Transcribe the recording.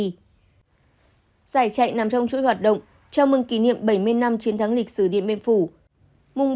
giải chạy nằm trong chuỗi hoạt động chào mừng kỷ niệm bảy mươi năm chiến thắng lịch sử điện biên phủ